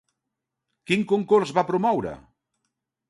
Quin concurs va promoure?